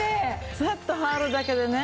サッと羽織るだけでね